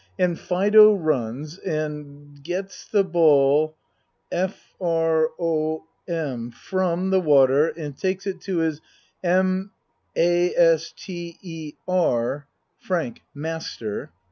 And Fido runs and gets the ball f r o m from the water and takes it to his m a s t e r. FRANK Master.